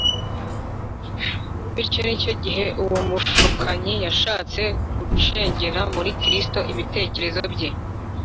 Bityo n’icyo gihe uwo mushukanyi yashatse gucengeza muri Kristo ibitekerezo bye.